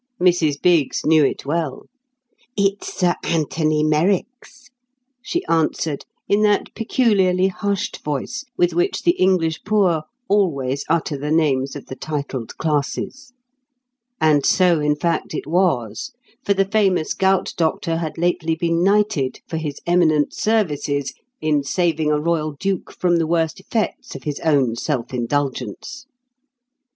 Mrs Biggs knew it well; "It's Sir Anthony Merrick's," she answered in that peculiarly hushed voice with which the English poor always utter the names of the titled classes. And so in fact it was; for the famous gout doctor had lately been knighted for his eminent services in saving a royal duke from the worst effects of his own self indulgence.